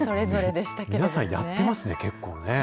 皆さん、やってますね、結構ね。